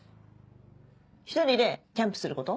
１人でキャンプすること。